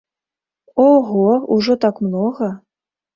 Ого, ужо так многа!